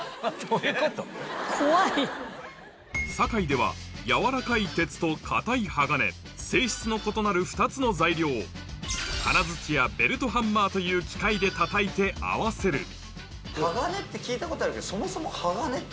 堺では軟らかい鉄と硬い鋼性質の異なる２つの材料を金づちやベルトハンマーという機械でたたいて合わせる「鋼」って聞いたことあるけど。